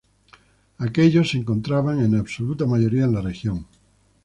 Aquellos se encontraban en absoluta mayoría en la región.